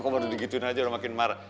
kamu udah digituin aja udah makin marah